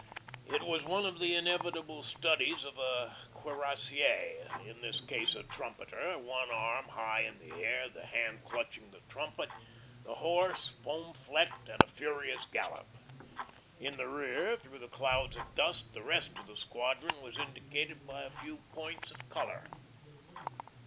It was one of the inevitable studies of a cuirassier; in this case a trumpeter, one arm high in the air, the hand clutching the trumpet, the horse, foam flecked, at a furious gallop. In the rear, through clouds of dust, the rest of the squadron was indicated by a few points of colour.